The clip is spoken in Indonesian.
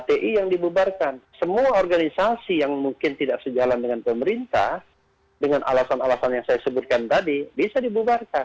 ppi yang dibubarkan semua organisasi yang mungkin tidak sejalan dengan pemerintah dengan alasan alasan yang saya sebutkan tadi bisa dibubarkan